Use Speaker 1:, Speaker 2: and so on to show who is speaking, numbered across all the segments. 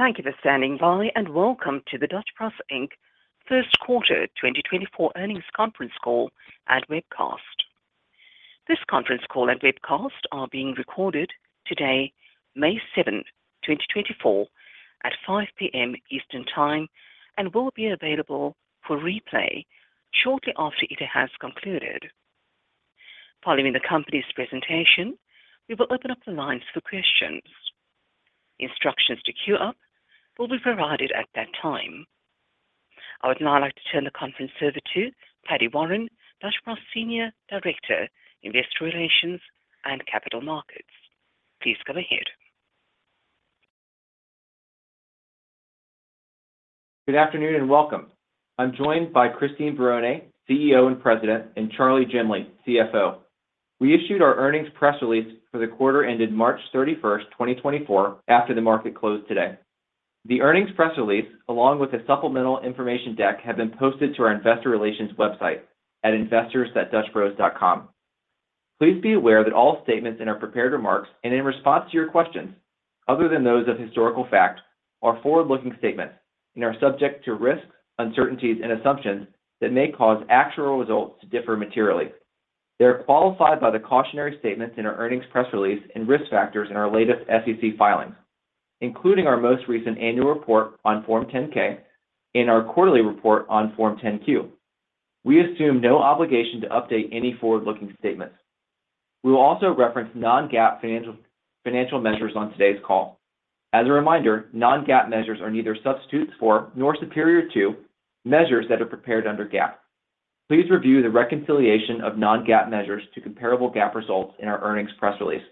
Speaker 1: Thank you for standing by and welcome to the Dutch Bros Inc. first quarter 2024 earnings conference call and webcast. This conference call and webcast are being recorded today, May 7th, 2024, at 5:00 P.M. Eastern Time and will be available for replay shortly after it has concluded. Following the company's presentation, we will open up the lines for questions. Instructions to queue up will be provided at that time. I would now like to turn the conference over to Paddy Warren, Dutch Bros Senior Director, Investor Relations and Capital Markets. Please go ahead.
Speaker 2: Good afternoon and welcome. I'm joined by Christine Barone, CEO and President, and Charley Jemley, CFO. We issued our earnings press release for the quarter ended March 31st, 2024, after the market closed today. The earnings press release, along with a supplemental information deck, have been posted to our investor relations website at investors.dutchbros.com. Please be aware that all statements in our prepared remarks and in response to your questions, other than those of historical fact, are forward-looking statements and are subject to risks, uncertainties, and assumptions that may cause actual results to differ materially. They are qualified by the cautionary statements in our earnings press release and risk factors in our latest SEC filings, including our most recent annual report on Form 10-K and our quarterly report on Form 10-Q. We assume no obligation to update any forward-looking statements. We will also reference non-GAAP financial measures on today's call. As a reminder, non-GAAP measures are neither substitutes for nor superior to measures that are prepared under GAAP. Please review the reconciliation of non-GAAP measures to comparable GAAP results in our earnings press release.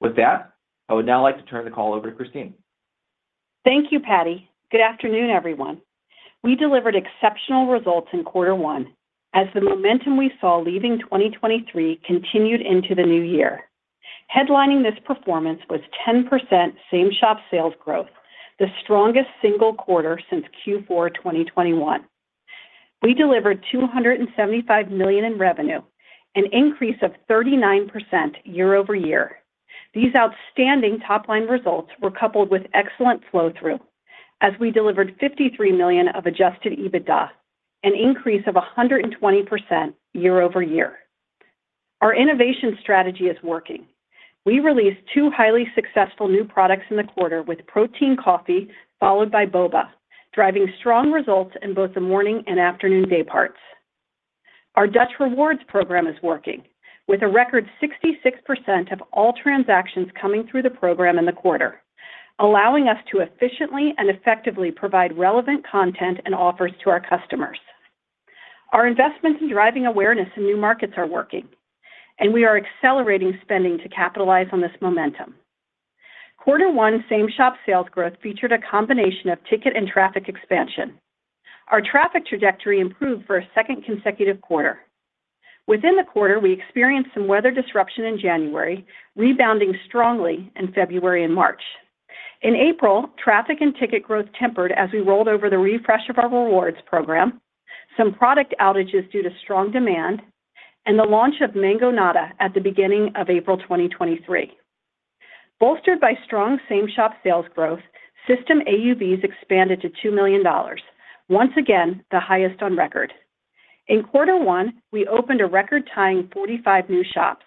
Speaker 2: With that, I would now like to turn the call over to Christine.
Speaker 3: Thank you, Paddy. Good afternoon, everyone. We delivered exceptional results in quarter one as the momentum we saw leaving 2023 continued into the new year. Headlining this performance was 10% same-shop sales growth, the strongest single quarter since Q4 2021. We delivered $275 million in revenue, an increase of 39% year-over-year. These outstanding top-line results were coupled with excellent flow-through as we delivered $53 million of Adjusted EBITDA, an increase of 120% year-over-year. Our innovation strategy is working. We released two highly successful new products in the quarter with Protein Coffee followed by Boba, driving strong results in both the morning and afternoon dayparts. Our Dutch Rewards program is working with a record 66% of all transactions coming through the program in the quarter, allowing us to efficiently and effectively provide relevant content and offers to our customers. Our investments in driving awareness in new markets are working, and we are accelerating spending to capitalize on this momentum. Quarter one's same-shop sales growth featured a combination of ticket and traffic expansion. Our traffic trajectory improved for a second consecutive quarter. Within the quarter, we experienced some weather disruption in January, rebounding strongly in February and March. In April, traffic and ticket growth tempered as we rolled over the refresh of our rewards program, some product outages due to strong demand, and the launch of Mangonada at the beginning of April 2023. Bolstered by strong same-shop sales growth, system AUVs expanded to $2 million, once again the highest on record. In quarter one, we opened a record-tying 45 new shops,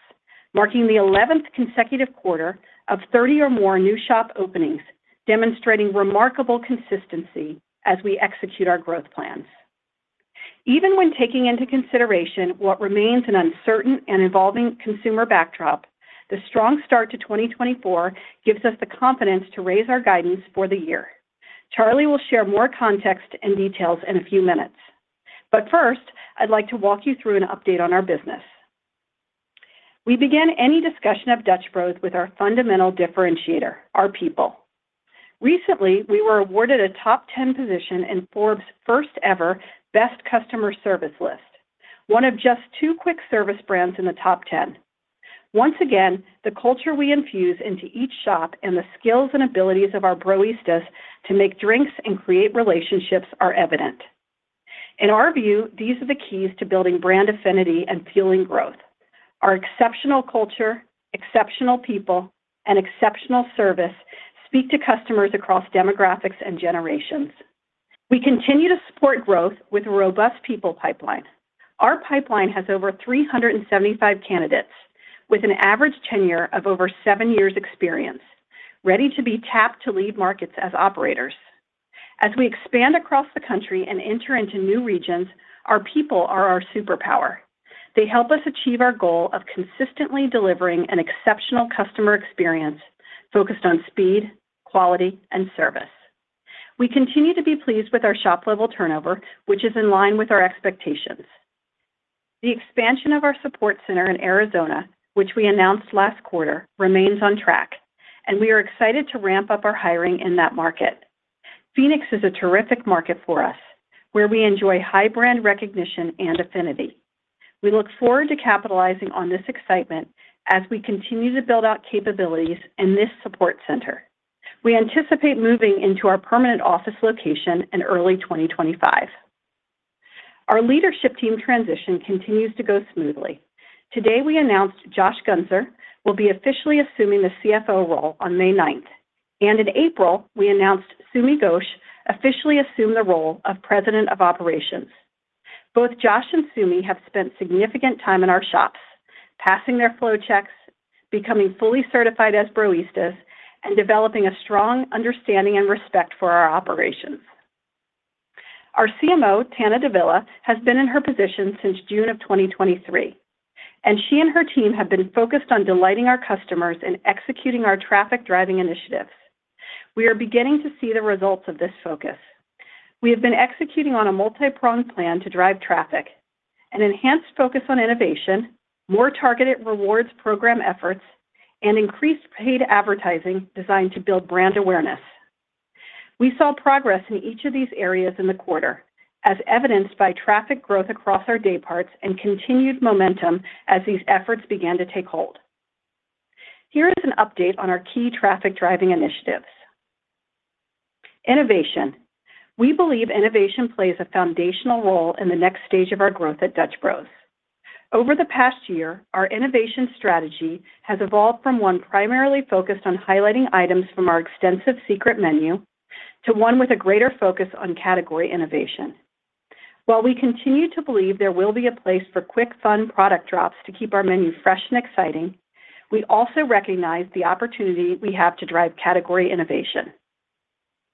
Speaker 3: marking the 11th consecutive quarter of 30 or more new shop openings, demonstrating remarkable consistency as we execute our growth plans. Even when taking into consideration what remains an uncertain and evolving consumer backdrop, the strong start to 2024 gives us the confidence to raise our guidance for the year. Charley will share more context and details in a few minutes. But first, I'd like to walk you through an update on our business. We begin any discussion of Dutch Bros with our fundamental differentiator, our people. Recently, we were awarded a top 10 position in Forbes' first-ever Best Customer Service list, one of just two quick service brands in the top 10. Once again, the culture we infuse into each shop and the skills and abilities of our Broistas to make drinks and create relationships are evident. In our view, these are the keys to building brand affinity and fueling growth. Our exceptional culture, exceptional people, and exceptional service speak to customers across demographics and generations. We continue to support growth with a robust people pipeline. Our pipeline has over 375 candidates with an average tenure of over seven years experience, ready to be tapped to lead markets as operators. As we expand across the country and enter into new regions, our people are our superpower. They help us achieve our goal of consistently delivering an exceptional customer experience focused on speed, quality, and service. We continue to be pleased with our shop-level turnover, which is in line with our expectations. The expansion of our support center in Arizona, which we announced last quarter, remains on track, and we are excited to ramp up our hiring in that market. Phoenix is a terrific market for us where we enjoy high brand recognition and affinity. We look forward to capitalizing on this excitement as we continue to build out capabilities in this support center. We anticipate moving into our permanent office location in early 2025. Our leadership team transition continues to go smoothly. Today, we announced Josh Guenser will be officially assuming the CFO role on May 9th, and in April, we announced Sumi Ghosh officially assumed the role of President of Operations. Both Josh and Sumi have spent significant time in our shops, passing their flow checks, becoming fully certified as Broistas, and developing a strong understanding and respect for our operations. Our CMO, Tana Davila, has been in her position since June of 2023, and she and her team have been focused on delighting our customers and executing our traffic driving initiatives. We are beginning to see the results of this focus. We have been executing on a multi-pronged plan to drive traffic, an enhanced focus on innovation, more targeted rewards program efforts, and increased paid advertising designed to build brand awareness. We saw progress in each of these areas in the quarter, as evidenced by traffic growth across our dayparts and continued momentum as these efforts began to take hold. Here is an update on our key traffic driving initiatives. Innovation. We believe innovation plays a foundational role in the next stage of our growth at Dutch Bros. Over the past year, our innovation strategy has evolved from one primarily focused on highlighting items from our extensive secret menu to one with a greater focus on category innovation. While we continue to believe there will be a place for quick, fun product drops to keep our menu fresh and exciting, we also recognize the opportunity we have to drive category innovation.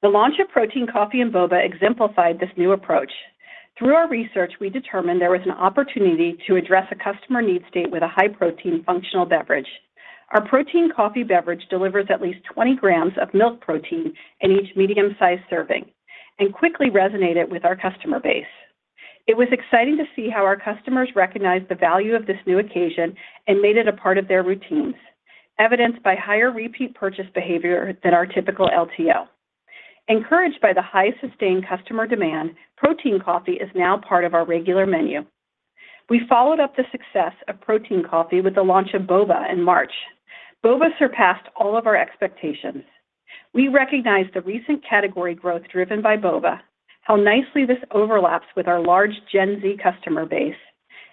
Speaker 3: The launch of Protein Coffee and Boba exemplified this new approach. Through our research, we determined there was an opportunity to address a customer need state with a high-protein functional beverage. Our Protein Coffee beverage delivers at least 20 grams of milk protein in each medium-sized serving and quickly resonated with our customer base. It was exciting to see how our customers recognized the value of this new occasion and made it a part of their routines, evidenced by higher repeat purchase behavior than our typical LTO. Encouraged by the high sustained customer demand, Protein Coffee is now part of our regular menu. We followed up the success of Protein Coffee with the launch of Boba in March. Boba surpassed all of our expectations. We recognized the recent category growth driven by Boba, how nicely this overlaps with our large Gen Z customer base,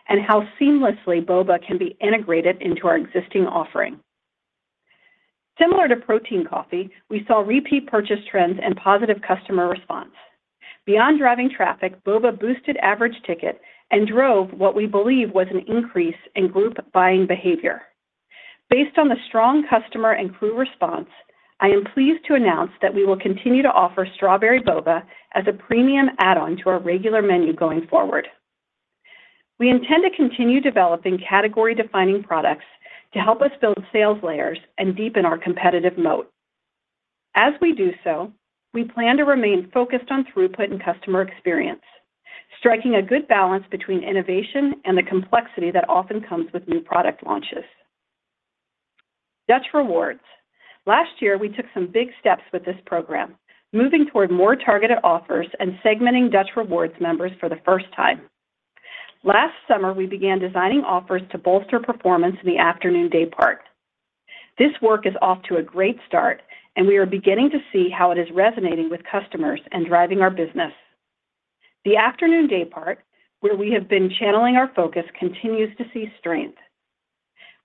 Speaker 3: and how seamlessly Boba can be integrated into our existing offering. Similar to Protein Coffee, we saw repeat purchase trends and positive customer response. Beyond driving traffic, Boba boosted average ticket and drove what we believe was an increase in group buying behavior. Based on the strong customer and crew response, I am pleased to announce that we will continue to offer Strawberry Boba as a premium add-on to our regular menu going forward. We intend to continue developing category-defining products to help us build sales layers and deepen our competitive moat. As we do so, we plan to remain focused on throughput and customer experience, striking a good balance between innovation and the complexity that often comes with new product launches. Dutch Rewards. Last year, we took some big steps with this program, moving toward more targeted offers and segmenting Dutch Rewards members for the first time. Last summer, we began designing offers to bolster performance in the afternoon daypart. This work is off to a great start, and we are beginning to see how it is resonating with customers and driving our business. The afternoon daypart, where we have been channeling our focus, continues to see strength.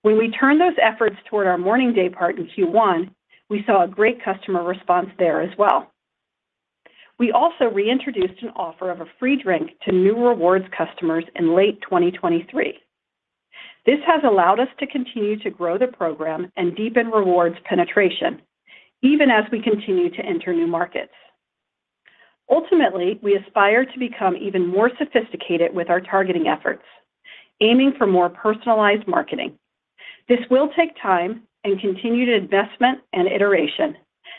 Speaker 3: When we turned those efforts toward our morning daypart in Q1, we saw a great customer response there as well. We also reintroduced an offer of a free drink to new rewards customers in late 2023. This has allowed us to continue to grow the program and deepen rewards penetration, even as we continue to enter new markets. Ultimately, we aspire to become even more sophisticated with our targeting efforts, aiming for more personalized marketing. This will take time and continue to investment and iteration,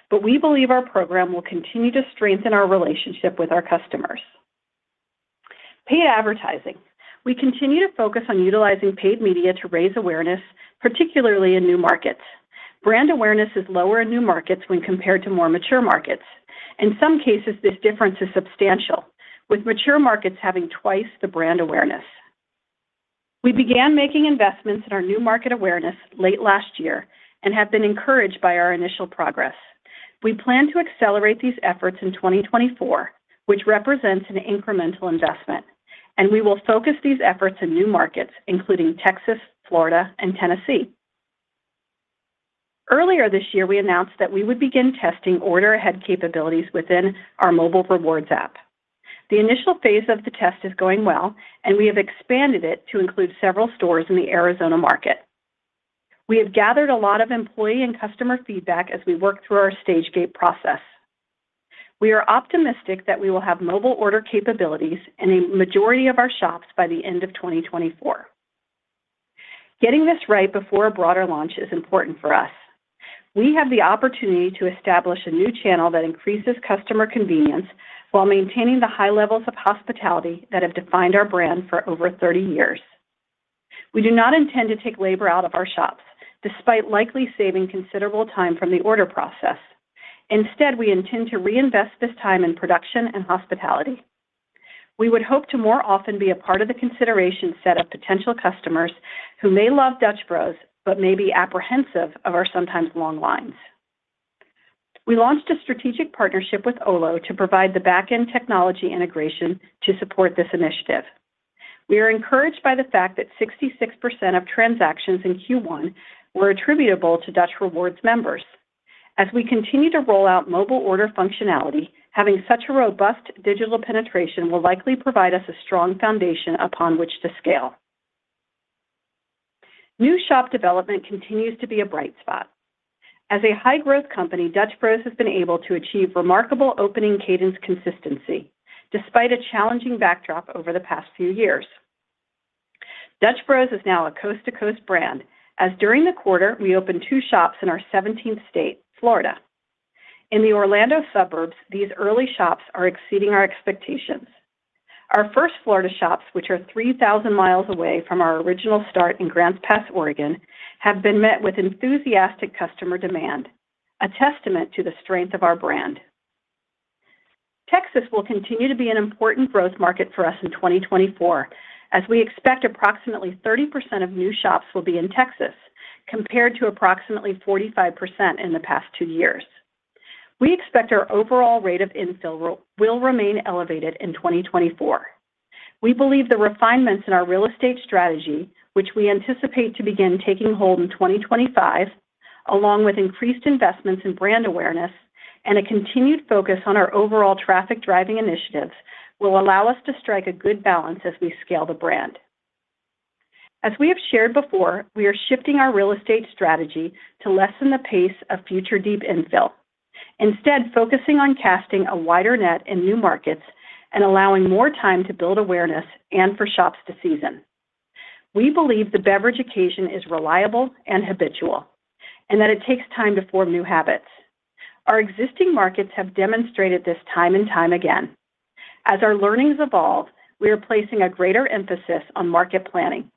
Speaker 3: but we believe our program will continue to strengthen our relationship with our customers. Paid advertising. We continue to focus on utilizing paid media to raise awareness, particularly in new markets. Brand awareness is lower in new markets when compared to more mature markets. In some cases, this difference is substantial, with mature markets having twice the brand awareness. We began making investments in our new market awareness late last year and have been encouraged by our initial progress. We plan to accelerate these efforts in 2024, which represents an incremental investment, and we will focus these efforts in new markets, including Texas, Florida, and Tennessee. Earlier this year, we announced that we would begin testing order-ahead capabilities within our mobile rewards app. The initial phase of the test is going well, and we have expanded it to include several stores in the Arizona market. We have gathered a lot of employee and customer feedback as we work through our Stage-Gate process. We are optimistic that we will have mobile order capabilities in a majority of our shops by the end of 2024. Getting this right before a broader launch is important for us. We have the opportunity to establish a new channel that increases customer convenience while maintaining the high levels of hospitality that have defined our brand for over 30 years. We do not intend to take labor out of our shops, despite likely saving considerable time from the order process. Instead, we intend to reinvest this time in production and hospitality. We would hope to more often be a part of the consideration set of potential customers who may love Dutch Bros but may be apprehensive of our sometimes long lines. We launched a strategic partnership with Olo to provide the back-end technology integration to support this initiative. We are encouraged by the fact that 66% of transactions in Q1 were attributable to Dutch Rewards members. As we continue to roll out mobile order functionality, having such a robust digital penetration will likely provide us a strong foundation upon which to scale. New shop development continues to be a bright spot. As a high-growth company, Dutch Bros has been able to achieve remarkable opening cadence consistency despite a challenging backdrop over the past few years. Dutch Bros is now a coast-to-coast brand, as during the quarter, we opened 2 shops in our 17th state, Florida. In the Orlando suburbs, these early shops are exceeding our expectations. Our first Florida shops, which are 3,000 miles away from our original start in Grants Pass, Oregon, have been met with enthusiastic customer demand, a testament to the strength of our brand. Texas will continue to be an important growth market for us in 2024, as we expect approximately 30% of new shops will be in Texas, compared to approximately 45% in the past two years. We expect our overall rate of infill will remain elevated in 2024. We believe the refinements in our real estate strategy, which we anticipate to begin taking hold in 2025, along with increased investments in brand awareness and a continued focus on our overall traffic driving initiatives, will allow us to strike a good balance as we scale the brand. As we have shared before, we are shifting our real estate strategy to lessen the pace of future deep infill, instead focusing on casting a wider net in new markets and allowing more time to build awareness and for shops to season. We believe the beverage occasion is reliable and habitual, and that it takes time to form new habits. Our existing markets have demonstrated this time and time again. As our learnings evolve, we are placing a greater emphasis on market planning,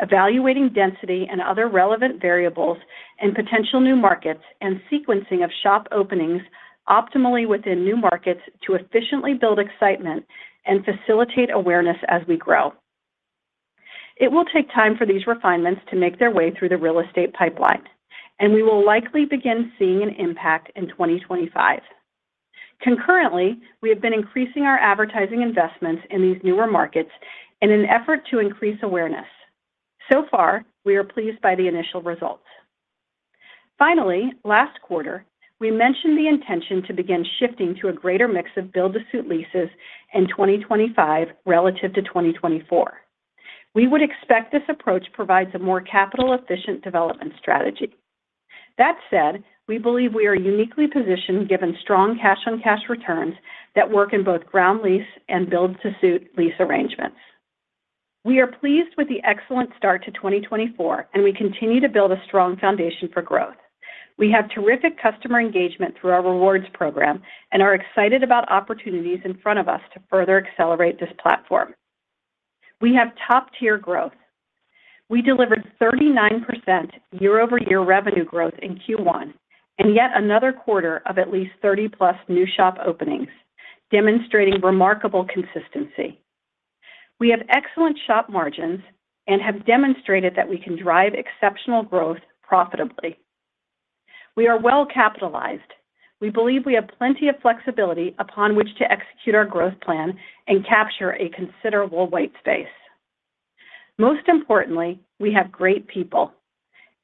Speaker 3: evaluating density and other relevant variables in potential new markets, and sequencing of shop openings optimally within new markets to efficiently build excitement and facilitate awareness as we grow. It will take time for these refinements to make their way through the real estate pipeline, and we will likely begin seeing an impact in 2025. Concurrently, we have been increasing our advertising investments in these newer markets in an effort to increase awareness. So far, we are pleased by the initial results. Finally, last quarter, we mentioned the intention to begin shifting to a greater mix of build-to-suit leases in 2025 relative to 2024. We would expect this approach provides a more capital-efficient development strategy. That said, we believe we are uniquely positioned given strong cash-on-cash returns that work in both ground lease and build-to-suit lease arrangements. We are pleased with the excellent start to 2024, and we continue to build a strong foundation for growth. We have terrific customer engagement through our rewards program and are excited about opportunities in front of us to further accelerate this platform. We have top-tier growth. We delivered 39% year-over-year revenue growth in Q1 and yet another quarter of at least 30+ new shop openings, demonstrating remarkable consistency. We have excellent shop margins and have demonstrated that we can drive exceptional growth profitably. We are well capitalized. We believe we have plenty of flexibility upon which to execute our growth plan and capture a considerable white space. Most importantly, we have great people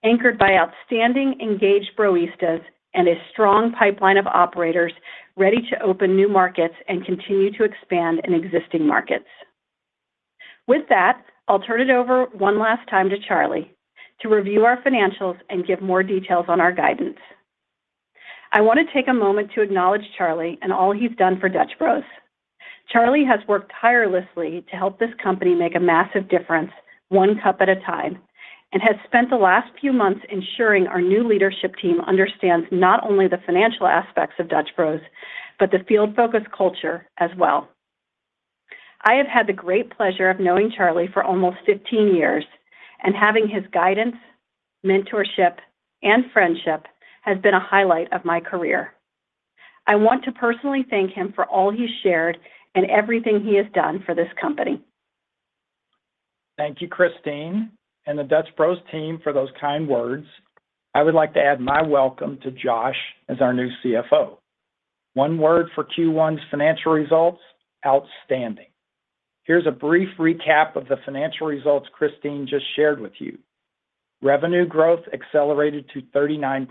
Speaker 3: anchored by outstanding, engaged Broistas and a strong pipeline of operators ready to open new markets and continue to expand in existing markets. With that, I'll turn it over one last time to Charley to review our financials and give more details on our guidance. I want to take a moment to acknowledge Charley and all he's done for Dutch Bros. Charley has worked tirelessly to help this company make a massive difference, one cup at a time, and has spent the last few months ensuring our new leadership team understands not only the financial aspects of Dutch Bros but the field-focused culture as well. I have had the great pleasure of knowing Charley for almost 15 years, and having his guidance, mentorship, and friendship has been a highlight of my career. I want to personally thank him for all he's shared and everything he has done for this company.
Speaker 4: Thank you, Christine and the Dutch Bros team for those kind words. I would like to add my welcome to Josh as our new CFO. One word for Q1's financial results: outstanding. Here's a brief recap of the financial results Christine just shared with you. Revenue growth accelerated to 39%.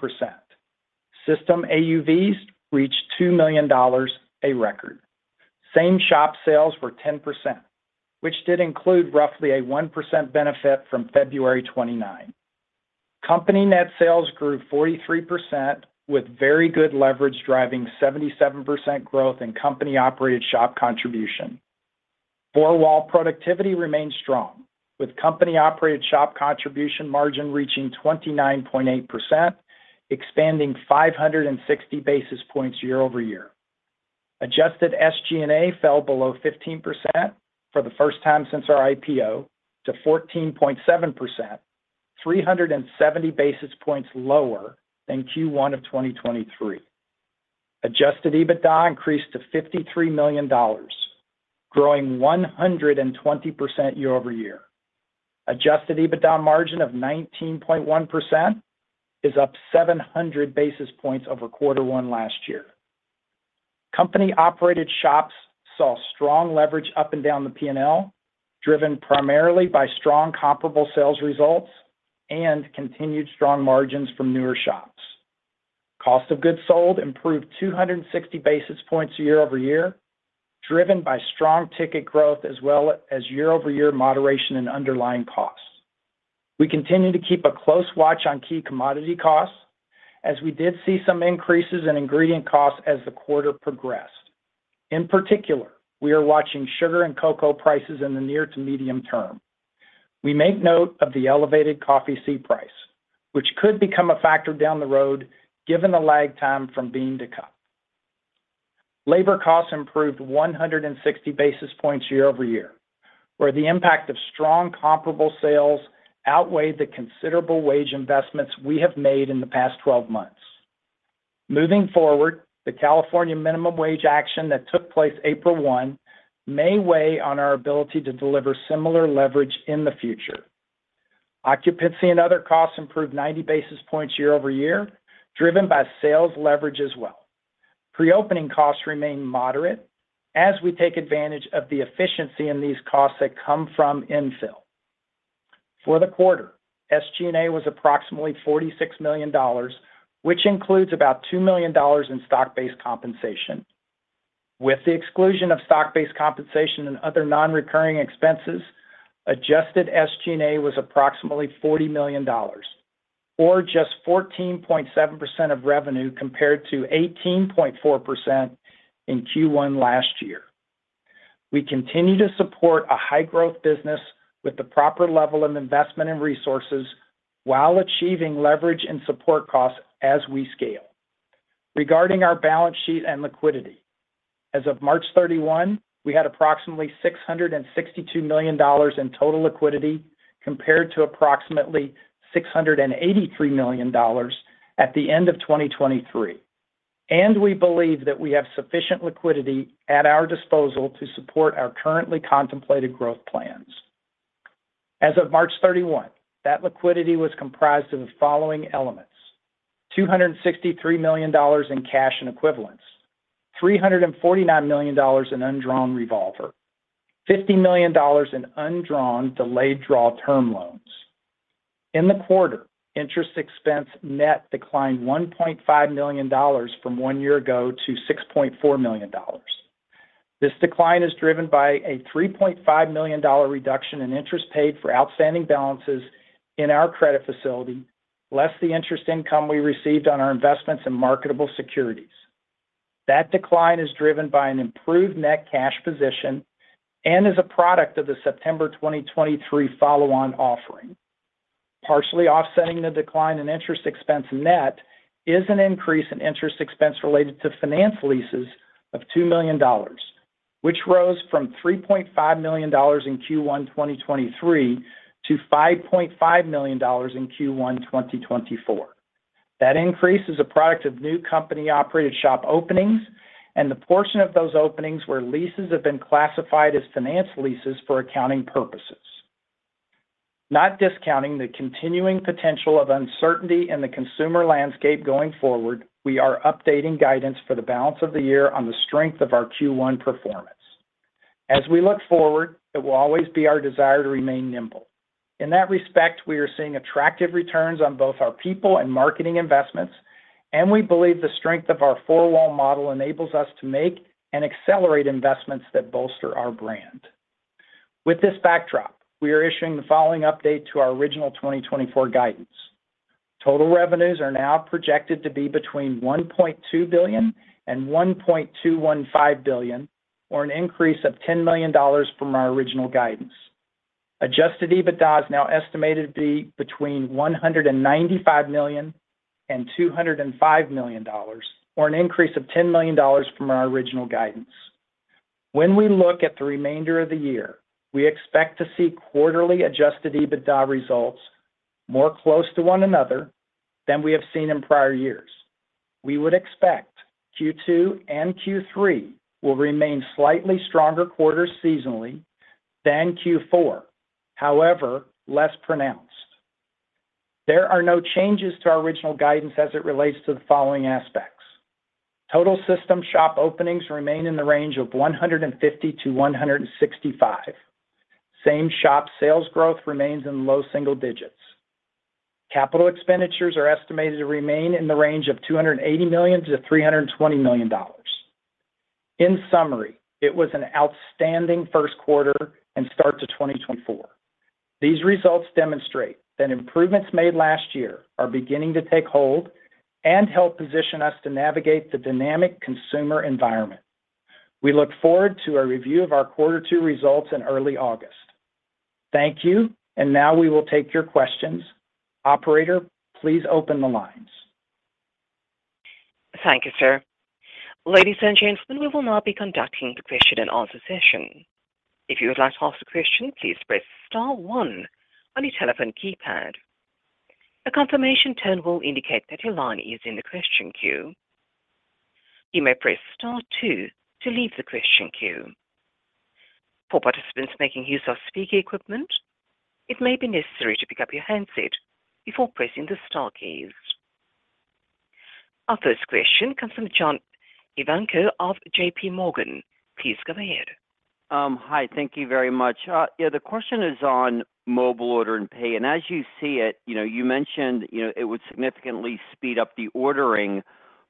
Speaker 4: System AUVs reached $2 million, a record. Same-shop sales were 10%, which did include roughly a 1% benefit from February 29th. Company net sales grew 43% with very good leverage driving 77% growth in company-operated shop contribution. Four-wall productivity remained strong, with company-operated shop contribution margin reaching 29.8%, expanding 560 basis points year-over-year. Adjusted SG&A fell below 15% for the first time since our IPO to 14.7%, 370 basis points lower than Q1 of 2023. Adjusted EBITDA increased to $53 million, growing 120% year-over-year. Adjusted EBITDA margin of 19.1% is up 700 basis points over quarter one last year. Company-operated shops saw strong leverage up and down the P&L, driven primarily by strong comparable sales results and continued strong margins from newer shops. Cost of goods sold improved 260 basis points year-over-year, driven by strong ticket growth as well as year-over-year moderation in underlying costs. We continue to keep a close watch on key commodity costs, as we did see some increases in ingredient costs as the quarter progressed. In particular, we are watching sugar and cocoa prices in the near to medium term. We make note of the elevated coffee bean price, which could become a factor down the road given the lag time from bean to cup. Labor costs improved 160 basis points year-over-year, where the impact of strong comparable sales outweighed the considerable wage investments we have made in the past 12 months. Moving forward, the California minimum wage action that took place April 1 may weigh on our ability to deliver similar leverage in the future. Occupancy and other costs improved 90 basis points year-over-year, driven by sales leverage as well. Pre-opening costs remain moderate as we take advantage of the efficiency in these costs that come from infill. For the quarter, SG&A was approximately $46 million, which includes about $2 million in stock-based compensation. With the exclusion of stock-based compensation and other non-recurring expenses, adjusted SG&A was approximately $40 million, or just 14.7% of revenue compared to 18.4% in Q1 last year. We continue to support a high-growth business with the proper level of investment and resources while achieving leverage and support costs as we scale. Regarding our balance sheet and liquidity, as of March 31, we had approximately $662 million in total liquidity compared to approximately $683 million at the end of 2023. We believe that we have sufficient liquidity at our disposal to support our currently contemplated growth plans. As of March 31, that liquidity was comprised of the following elements: $263 million in cash and equivalents, $349 million in undrawn revolver, and $50 million in undrawn delayed draw term loans. In the quarter, interest expense net declined $1.5 million from one year ago to $6.4 million. This decline is driven by a $3.5 million reduction in interest paid for outstanding balances in our credit facility, less the interest income we received on our investments in marketable securities. That decline is driven by an improved net cash position and is a product of the September 2023 follow-on offering. Partially offsetting the decline in interest expense net is an increase in interest expense related to finance leases of $2 million, which rose from $3.5 million in Q1 2023 to $5.5 million in Q1 2024. That increase is a product of new company-operated shop openings, and the portion of those openings where leases have been classified as finance leases for accounting purposes. Not discounting the continuing potential of uncertainty in the consumer landscape going forward, we are updating guidance for the balance of the year on the strength of our Q1 performance. As we look forward, it will always be our desire to remain nimble. In that respect, we are seeing attractive returns on both our people and marketing investments, and we believe the strength of our four-wall model enables us to make and accelerate investments that bolster our brand. With this backdrop, we are issuing the following update to our original 2024 guidance. Total revenues are now projected to be between $1.2 billion-$1.215 billion, or an increase of $10 million from our original guidance. Adjusted EBITDA is now estimated to be between $195 million-$205 million, or an increase of $10 million from our original guidance. When we look at the remainder of the year, we expect to see quarterly adjusted EBITDA results more close to one another than we have seen in prior years. We would expect Q2 and Q3 will remain slightly stronger quarters seasonally than Q4, however, less pronounced. There are no changes to our original guidance as it relates to the following aspects. Total system shop openings remain in the range of 150-165. Same shop sales growth remains in low single digits. Capital expenditures are estimated to remain in the range of $280 million-$320 million. In summary, it was an outstanding first quarter and start to 2024. These results demonstrate that improvements made last year are beginning to take hold and help position us to navigate the dynamic consumer environment. We look forward to a review of our quarter two results in early August. Thank you, and now we will take your questions. Operator, please open the lines.
Speaker 1: Thank you, sir. Ladies and gentlemen, we will now be conducting the question and answer session. If you would like to ask a question, please press star one on your telephone keypad. A confirmation tone will indicate that your line is in the question queue. You may press star two to leave the question queue. For participants making use of speaker equipment, it may be necessary to pick up your handset before pressing the star keys. Our first question comes from John Ivankoe of JP Morgan. Please go ahead.
Speaker 5: Hi. Thank you very much. Yeah, the question is on mobile order and pay. And as you see it, you mentioned it would significantly speed up the ordering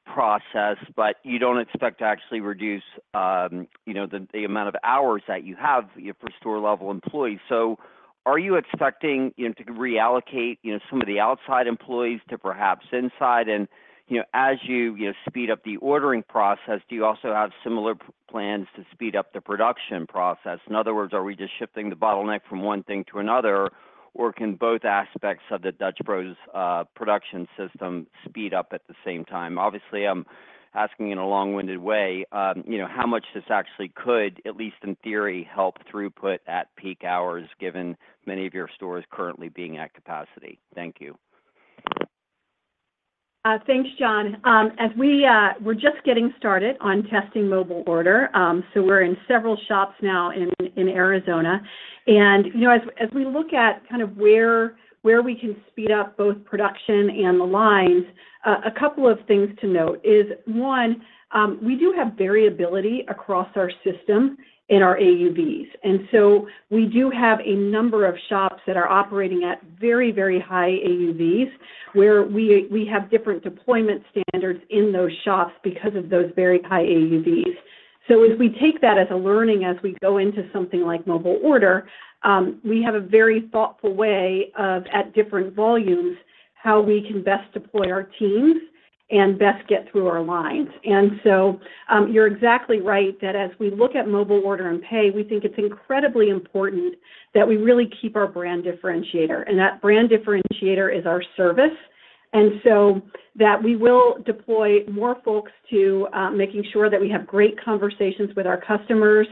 Speaker 5: process, but you don't expect to actually reduce the amount of hours that you have for store-level employees. So are you expecting to reallocate some of the outside employees to perhaps inside? And as you speed up the ordering process, do you also have similar plans to speed up the production process? In other words, are we just shifting the bottleneck from one thing to another, or can both aspects of the Dutch Bros production system speed up at the same time? Obviously, I'm asking in a long-winded way how much this actually could, at least in theory, help throughput at peak hours given many of your stores currently being at capacity. Thank you.
Speaker 3: Thanks, John. We're just getting started on testing mobile order. So we're in several shops now in Arizona. And as we look at kind of where we can speed up both production and the lines, a couple of things to note is, one, we do have variability across our system in our AUVs. And so we do have a number of shops that are operating at very, very high AUVs where we have different deployment standards in those shops because of those very high AUVs. So as we take that as a learning as we go into something like mobile order, we have a very thoughtful way of, at different volumes, how we can best deploy our teams and best get through our lines. And so you're exactly right that as we look at mobile order and pay, we think it's incredibly important that we really keep our brand differentiator. And that brand differentiator is our service. And so that we will deploy more folks to making sure that we have great conversations with our customers,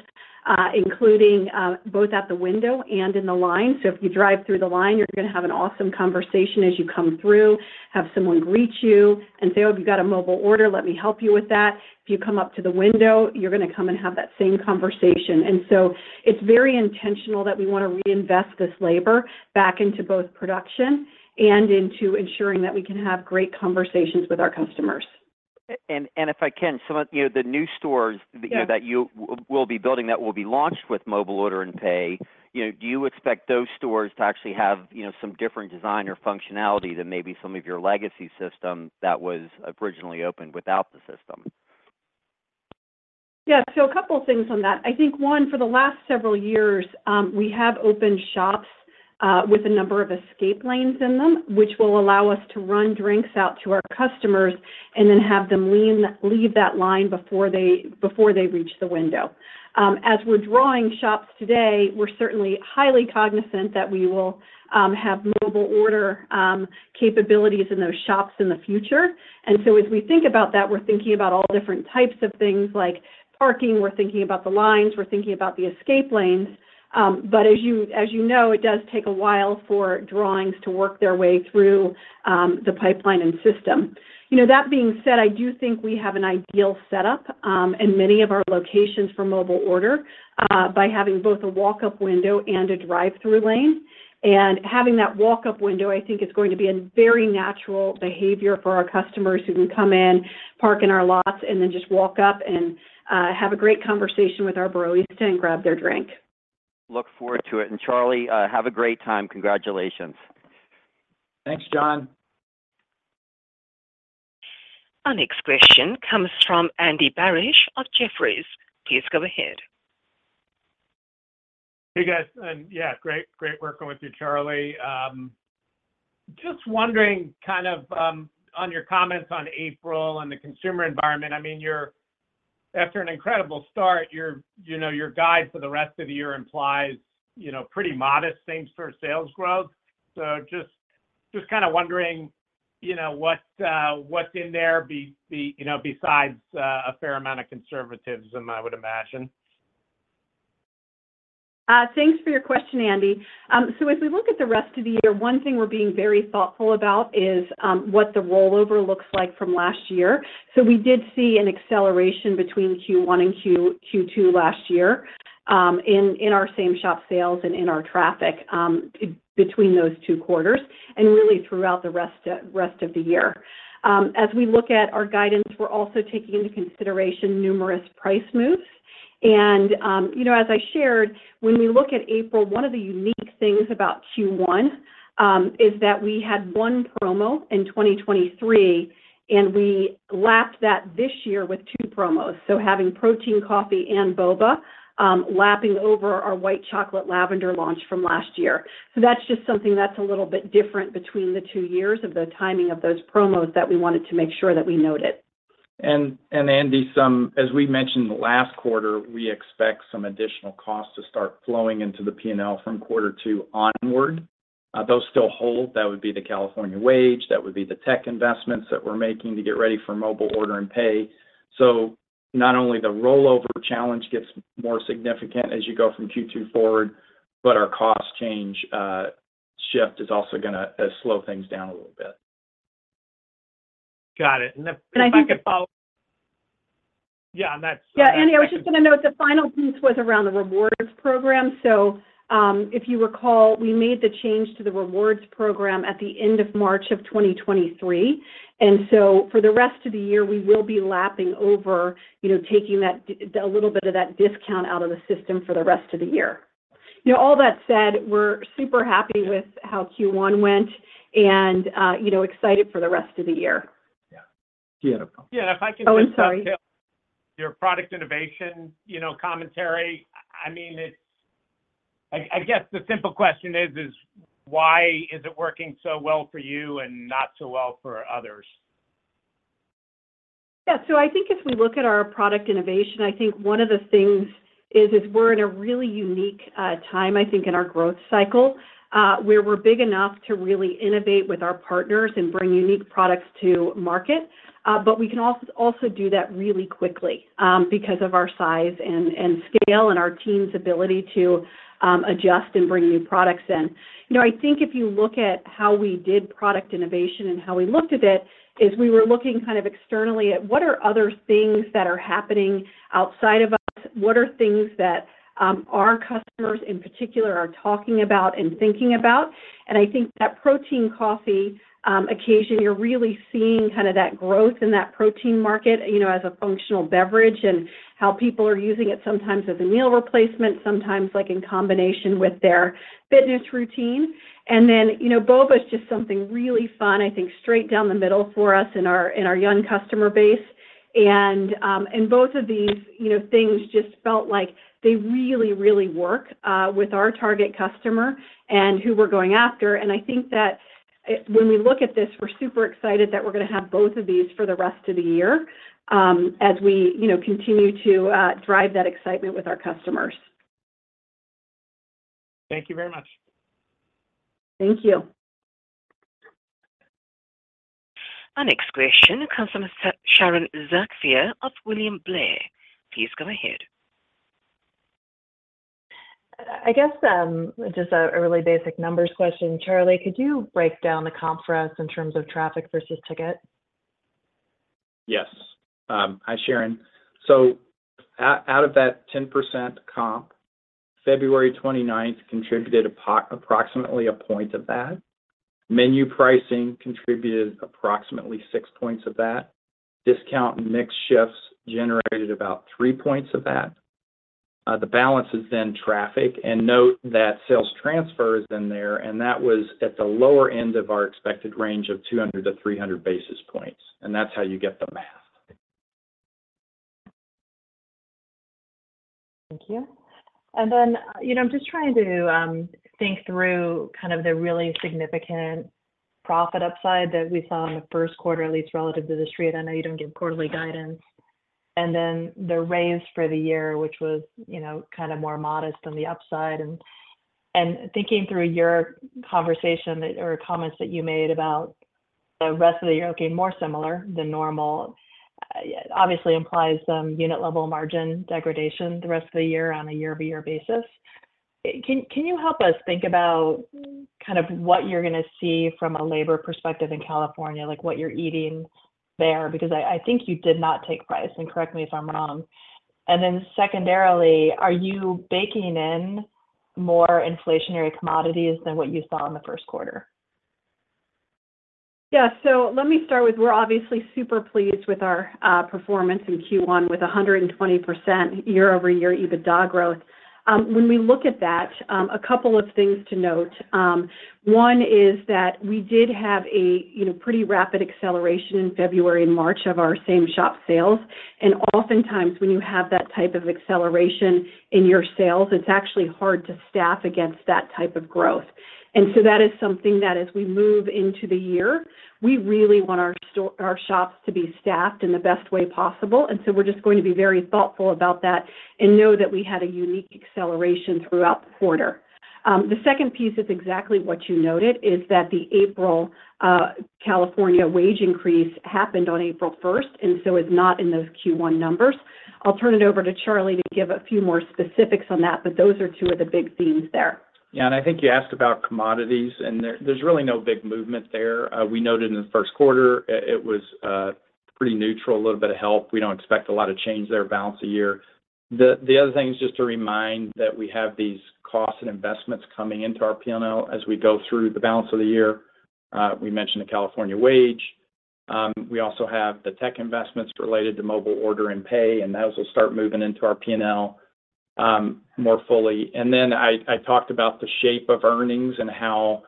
Speaker 3: including both at the window and in the line. So if you drive through the line, you're going to have an awesome conversation as you come through, have someone greet you and say, "Oh, you've got a mobile order. Let me help you with that." If you come up to the window, you're going to come and have that same conversation. And so it's very intentional that we want to reinvest this labor back into both production and into ensuring that we can have great conversations with our customers. And if I can, some of the new stores that you will be building that will be launched with mobile order and pay, do you expect those stores to actually have some different design or functionality than maybe some of your legacy system that was originally opened without the system? Yeah. So a couple of things on that. I think, one, for the last several years, we have opened shops with a number of escape lanes in them, which will allow us to run drinks out to our customers and then have them leave that line before they reach the window. As we're drawing shops today, we're certainly highly cognizant that we will have mobile order capabilities in those shops in the future. And so as we think about that, we're thinking about all different types of things like parking. We're thinking about the lines. We're thinking about the escape lanes. But as you know, it does take a while for drawings to work their way through the pipeline and system. That being said, I do think we have an ideal setup in many of our locations for mobile order by having both a walk-up window and a drive-through lane. Having that walk-up window, I think, is going to be a very natural behavior for our customers who can come in, park in our lots, and then just walk up and have a great conversation with our Broistas to grab their drink.
Speaker 5: Look forward to it. And Charley, have a great time. Congratulations.
Speaker 1: Thanks, Jon. Our next question comes from Andy Barish of Jefferies. Please go ahead.
Speaker 6: Hey, guys. And yeah, great working with you, Charley. Just wondering kind of on your comments on April and the consumer environment. I mean, after an incredible start, your guide for the rest of the year implies pretty modest things for sales growth. So just kind of wondering what's in there besides a fair amount of conservatism, I would imagine.
Speaker 4: Thanks for your question, Andy. So as we look at the rest of the year, one thing we're being very thoughtful about is what the rollover looks like from last year. So we did see an acceleration between Q1 and Q2 last year in our same-shop sales and in our traffic between those two quarters and really throughout the rest of the year. As we look at our guidance, we're also taking into consideration numerous price moves. And as I shared, when we look at April, one of the unique things about Q1 is that we had one promo in 2023, and we lapped that this year with two promos. So having Protein Coffee and Boba lapping over our White Chocolate Lavender launch from last year. So that's just something that's a little bit different between the two years of the timing of those promos that we wanted to make sure that we noted. Andy, as we mentioned last quarter, we expect some additional costs to start flowing into the P&L from quarter two onward. Those still hold. That would be the California wage. That would be the tech investments that we're making to get ready for mobile order and pay. So not only the rollover challenge gets more significant as you go from Q2 forward, but our cost change shift is also going to slow things down a little bit.
Speaker 3: Got it. And if I could follow, Andy, I was just going to note the final piece was around the rewards program. So if you recall, we made the change to the rewards program at the end of March of 2023. And so for the rest of the year, we will be lapping over taking a little bit of that discount out of the system for the rest of the year. All that said, we're super happy with how Q1 went and excited for the rest of the year. Yeah. Do you have a comment? Yeah, and if I can just—Oh, I'm sorry—tell your product innovation commentary, I mean, I guess the simple question is, why is it working so well for you and not so well for others? Yeah. So I think as we look at our product innovation, I think one of the things is we're in a really unique time, I think, in our growth cycle where we're big enough to really innovate with our partners and bring unique products to market. But we can also do that really quickly because of our size and scale and our team's ability to adjust and bring new products in. I think if you look at how we did product innovation and how we looked at it is we were looking kind of externally at what are other things that are happening outside of us? What are things that our customers, in particular, are talking about and thinking about? And I think that Protein Coffee occasion, you're really seeing kind of that growth in that protein market as a functional beverage and how people are using it sometimes as a meal replacement, sometimes in combination with their fitness routine. And then Boba is just something really fun, I think, straight down the middle for us in our young customer base. And both of these things just felt like they really, really work with our target customer and who we're going after. And I think that when we look at this, we're super excited that we're going to have both of these for the rest of the year as we continue to drive that excitement with our customers.
Speaker 6: Thank you very much.
Speaker 1: Thank you. Our next question comes from Sharon Zackfia of William Blair. Please go ahead.
Speaker 7: I guess just a really basic numbers question. Charley, could you break down the comp for us in terms of traffic versus ticket?
Speaker 4: Yes. Hi, Sharon. So out of that 10% comp, February 29th contributed approximately a point of that. Menu pricing contributed approximately six points of that. Discount and mix shifts generated about three points of that. The balance is then traffic. Note that sales transfer is in there, and that was at the lower end of our expected range of 200-300 basis points. That's how you get the math.
Speaker 7: Thank you. Then I'm just trying to think through kind of the really significant profit upside that we saw in the first quarter, at least relative to this period. I know you don't give quarterly guidance. Then the raise for the year, which was kind of more modest than the upside. Thinking through your conversation or comments that you made about the rest of the year, okay, more similar than normal, obviously implies some unit-level margin degradation the rest of the year on a year-over-year basis. Can you help us think about kind of what you're going to see from a labor perspective in California, what you're eating there? Because I think you did not take price. And correct me if I'm wrong. And then secondarily, are you baking in more inflationary commodities than what you saw in the first quarter?
Speaker 3: Yeah. So let me start with we're obviously super pleased with our performance in Q1 with 120% year-over-year EBITDA growth. When we look at that, a couple of things to note. One is that we did have a pretty rapid acceleration in February and March of our same shop sales. And oftentimes, when you have that type of acceleration in your sales, it's actually hard to staff against that type of growth. And so that is something that as we move into the year, we really want our shops to be staffed in the best way possible. We're just going to be very thoughtful about that and know that we had a unique acceleration throughout the quarter. The second piece is exactly what you noted is that the April California wage increase happened on April 1st, and so it's not in those Q1 numbers. I'll turn it over to Charley to give a few more specifics on that, but those are two of the big themes there.
Speaker 4: Yeah. I think you asked about commodities, and there's really no big movement there. We noted in the first quarter, it was pretty neutral, a little bit of help. We don't expect a lot of change there, balance of year. The other thing is just to remind that we have these costs and investments coming into our P&L as we go through the balance of the year. We mentioned the California wage. We also have the tech investments related to mobile order and pay, and those will start moving into our P&L more fully. And then I talked about the shape of earnings and how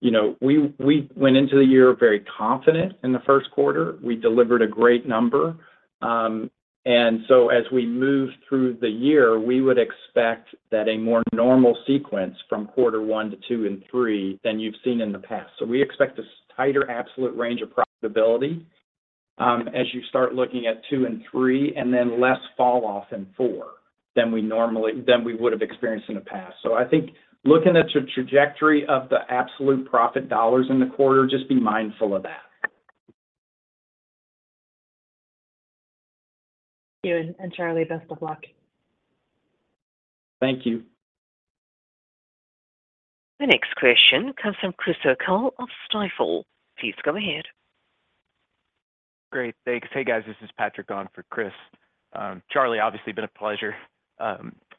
Speaker 4: we went into the year very confident in the first quarter. We delivered a great number. And so as we move through the year, we would expect that a more normal sequence from quarter one to two and three than you've seen in the past. So we expect a tighter absolute range of profitability as you start looking at two and three and then less falloff in four than we would have experienced in the past. So I think looking at the trajectory of the absolute profit dollars in the quarter, just be mindful of that.
Speaker 7: Thank you. And Charley, best of luck.
Speaker 1: Thank you. Our next question comes from Chris O'Cull of Stifel. Please go ahead.
Speaker 8: Great. Thanks. Hey, guys. This is Patrick Goff for Chris. Charley, obviously, been a pleasure.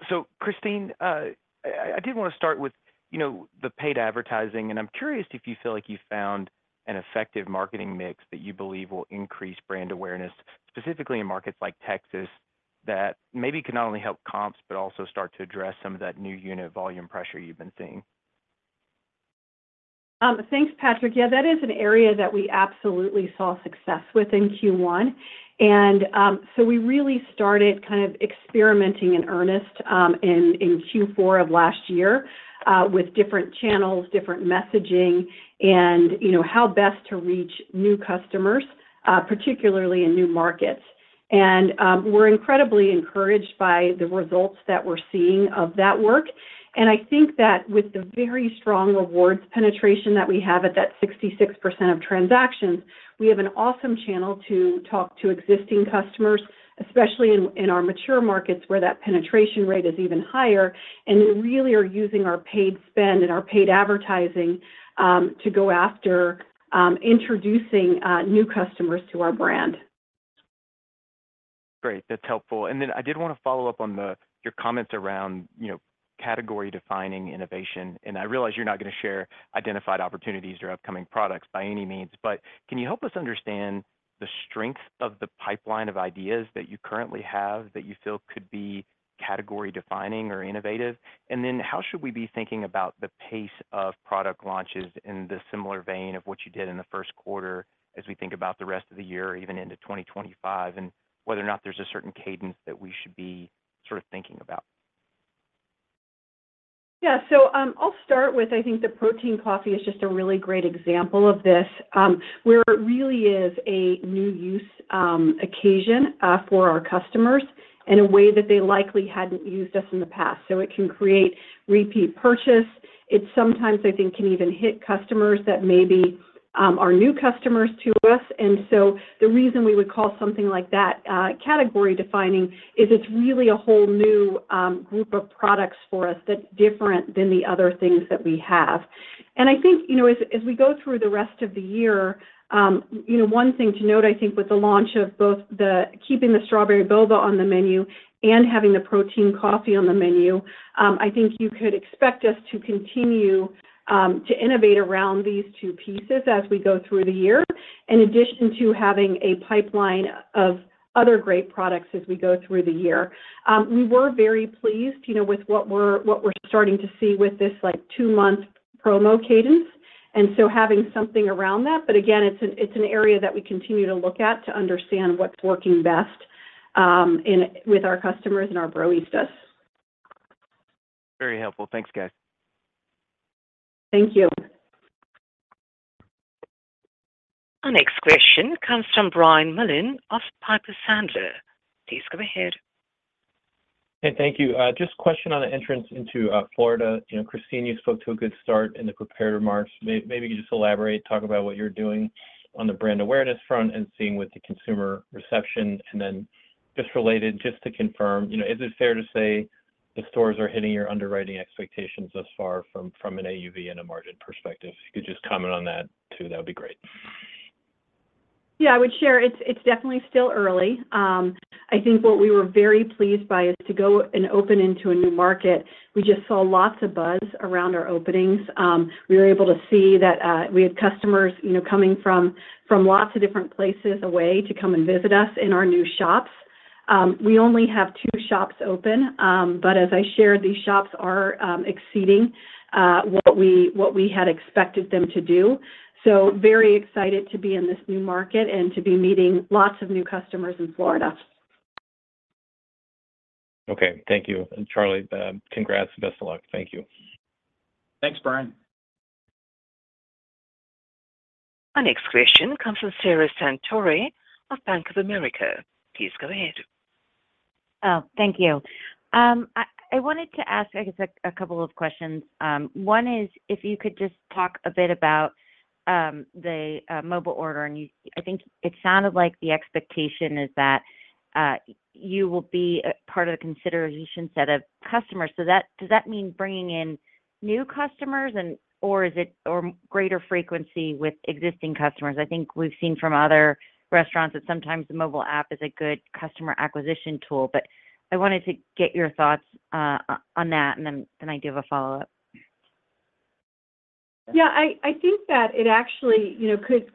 Speaker 8: So Christine, I did want to start with the paid advertising. I'm curious if you feel like you found an effective marketing mix that you believe will increase brand awareness, specifically in markets like Texas, that maybe can not only help comps but also start to address some of that new unit volume pressure you've been seeing.
Speaker 3: Thanks, Patrick. Yeah, that is an area that we absolutely saw success with in Q1. So we really started kind of experimenting in earnest in Q4 of last year with different channels, different messaging, and how best to reach new customers, particularly in new markets. We're incredibly encouraged by the results that we're seeing of that work. I think that with the very strong rewards penetration that we have at that 66% of transactions, we have an awesome channel to talk to existing customers, especially in our mature markets where that penetration rate is even higher. We really are using our paid spend and our paid advertising to go after introducing new customers to our brand.
Speaker 9: Great. That's helpful. Then I did want to follow up on your comments around category-defining innovation. I realize you're not going to share identified opportunities or upcoming products by any means. But can you help us understand the strength of the pipeline of ideas that you currently have that you feel could be category-defining or innovative? And then how should we be thinking about the pace of product launches in the similar vein of what you did in the first quarter as we think about the rest of the year, even into 2025, and whether or not there's a certain cadence that we should be sort of thinking about?
Speaker 3: Yeah. So I'll start with, I think, the protein coffee is just a really great example of this, where it really is a new-use occasion for our customers in a way that they likely hadn't used us in the past. So it can create repeat purchase. It sometimes, I think, can even hit customers that maybe are new customers to us. And so the reason we would call something like that category-defining is it's really a whole new group of products for us that's different than the other things that we have. And I think as we go through the rest of the year, one thing to note, I think, with the launch of both keeping the Strawberry Boba on the menu and having the Protein Coffee on the menu, I think you could expect us to continue to innovate around these two pieces as we go through the year, in addition to having a pipeline of other great products as we go through the year. We were very pleased with what we're starting to see with this two-month promo cadence and so having something around that. But again, it's an area that we continue to look at to understand what's working best with our customers and our Broistas.
Speaker 8: Very helpful. Thanks, guys.
Speaker 1: Thank you. Our next question comes from Brian Mullan of Piper Sandler. Please go ahead.
Speaker 10: Hey, thank you. Just a question on the entrance into Florida. Christine, you spoke to a good start in the prepared remarks. Maybe you could just elaborate, talk about what you're doing on the brand awareness front and seeing with the consumer reception. And then just related, just to confirm, is it fair to say the stores are hitting your underwriting expectations thus far from an AUV and a margin perspective? If you could just comment on that too, that would be great.
Speaker 3: Yeah, I would share. It's definitely still early. I think what we were very pleased by is to go and open into a new market. We just saw lots of buzz around our openings. We were able to see that we had customers coming from lots of different places away to come and visit us in our new shops. We only have 2 shops open. But as I shared, these shops are exceeding what we had expected them to do. So very excited to be in this new market and to be meeting lots of new customers in Florida.
Speaker 10: Okay. Thank you. And Charley, congrats. Best of luck. Thank you.
Speaker 1: Thanks, Brian. Our next question comes from Sara Senatore of Bank of America. Please go ahead.
Speaker 11: Thank you. I wanted to ask, I guess, a couple of questions. One is if you could just talk a bit about the mobile order. And I think it sounded like the expectation is that you will be part of the consideration set of customers. So does that mean bringing in new customers, or is it greater frequency with existing customers? I think we've seen from other restaurants that sometimes the mobile app is a good customer acquisition tool. But I wanted to get your thoughts on that, and then I do have a follow-up.
Speaker 3: Yeah. I think that it actually